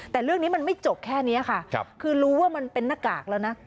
แต่เรื่องนี้มันไม่จบแค่นี้ค่ะคือรู้ว่ามันเป็นหน้ากากแล้วนะ